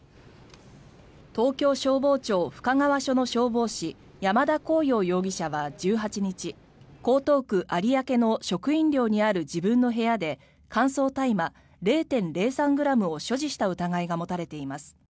東京消防庁深川署の消防士山田虹桜容疑者は１８日江東区有明の職員寮にある自分の部屋で乾燥大麻０．０３ｇを所持した疑いが持たれています。